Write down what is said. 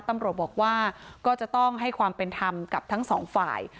ตำรวจบอกว่าก็จะต้องให้ความเป็นธรรมกับทั้งสองฝ่าย